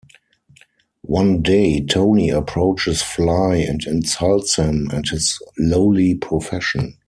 One day, Tony approaches Fly and insults him and his lowly profession.